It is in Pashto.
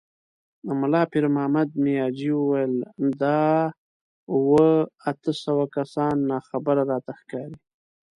ملا پيرمحمد مياجي وويل: دا اووه، اته سوه کسان ناخبره راته ښکاري.